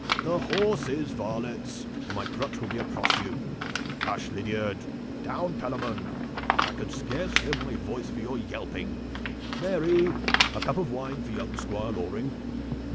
The horses, varlets, or my crutch will be across you! Hush, Lydiard! Down, Pelamon! I can scarce hear my voice for your yelping. Mary, a cup of wine for young Squire Loring!"